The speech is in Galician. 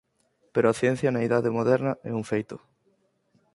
Pero a ciencia na idade moderna é un feito.